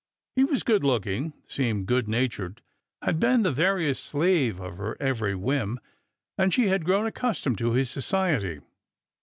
He was good looking, seemed good natured, had been the veriest Blave of her every whim, and she had grown accustomed to his society.